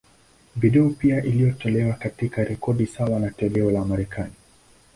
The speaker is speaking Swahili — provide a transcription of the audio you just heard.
Video pia iliyotolewa, katika rekodi sawa na toleo la Marekani.